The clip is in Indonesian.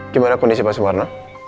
gimana kondisi pak soebarna